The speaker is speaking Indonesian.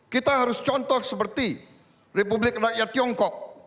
kita harus contoh seperti republik rakyat tiongkok